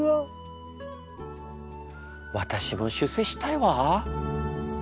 私も出世したいわ。